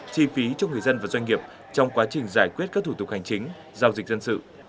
chi phí cho người dân và doanh nghiệp trong quá trình giải quyết các thủ tục hành chính giao dịch dân sự